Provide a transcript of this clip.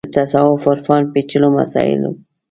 د تصوف او عرفان پېچلو مسایلو